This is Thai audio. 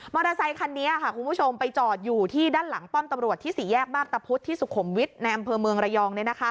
อเตอร์ไซคันนี้คุณผู้ชมไปจอดอยู่ที่ด้านหลังป้อมตำรวจที่สี่แยกมาพตะพุธที่สุขุมวิทย์ในอำเภอเมืองระยอง